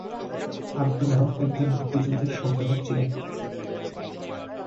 আব্দুল হক একজন মুক্তিযুদ্ধের সংগঠক ছিলেন।